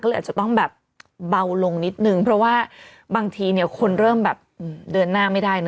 ก็เลยอาจจะต้องเบาลงนิดนึงเพราะว่าบางทีคนเดินหน้าไม่ได้